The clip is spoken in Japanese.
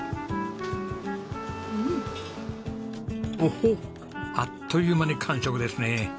おほっあっという間に完食ですね。